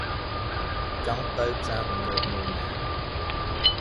ចង់ទៅផ្សារទំនើបមួយណា?